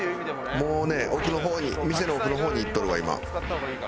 もうね奥の方に店の奥の方に行っとるわ今。